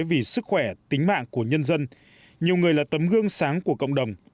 vì sức khỏe tính mạng của nhân dân nhiều người là tấm gương sáng của cộng đồng